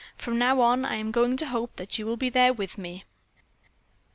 From now on I am going to hope that you will be there with me."